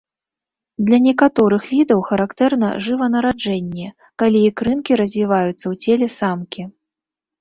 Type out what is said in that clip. Для некаторых відаў характэрна жыванараджэнне, калі ікрынкі развіваюцца ў целе самкі.